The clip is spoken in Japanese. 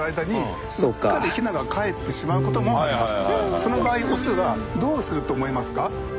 その場合オスはどうすると思いますか？